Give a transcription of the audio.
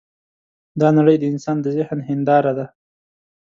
دا نړۍ د انسان د ذهن هینداره ده.